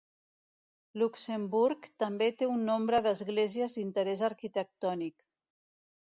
Luxemburg també té un nombre d'esglésies d'interès arquitectònic.